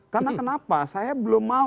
karena kenapa saya belum mau